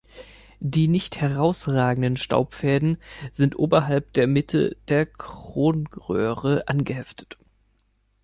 Die nicht herausragenden Staubfäden sind oberhalb der Mitte der Kronröhre angeheftet.